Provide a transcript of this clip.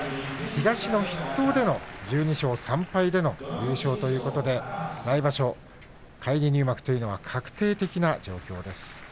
東の筆頭での１２勝３敗での優勝ということで来場所、返り入幕というのは確定的な状況です。